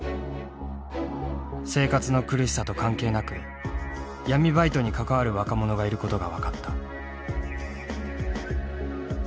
生活の苦しさと関係なく闇バイトに関わる若者がいることが分かった。